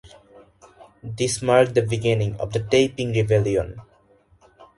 This marked the beginning of the Taiping Rebellion.